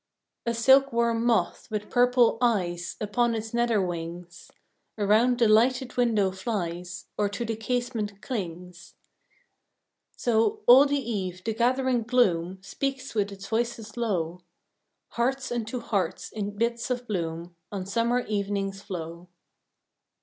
A silk worm moth, with purple "eyes" Upon its nether wings, Around the lighted window flies, Or to the casement clings. So, all the eve, the gathering gloom Speaks with its voices low; Hearts unto hearts, in bits of bloom, On summer evenings flow.